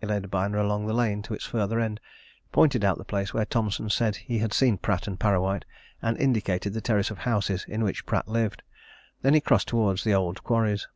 He led Byner along the lane to its further end, pointed out the place where Thomson said he had seen Pratt and Parrawhite, and indicated the terrace of houses in which Pratt lived. Then he crossed towards the old quarries.